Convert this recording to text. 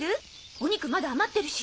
お肉まだ余ってるし！